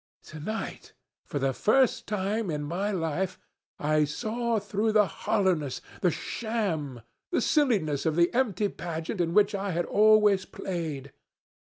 To night, for the first time in my life, I saw through the hollowness, the sham, the silliness of the empty pageant in which I had always played.